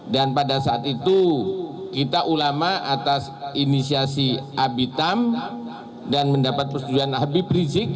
dan pada saat itu kita ulama atas inisiasi abitam dan mendapat persetujuan nabi prisik